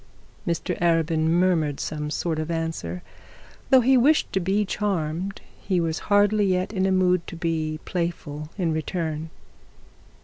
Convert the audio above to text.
Mr Arabin murmured some sort of answer. Though he wished to be charmed, he as hardly yet in a mood to be playful in return.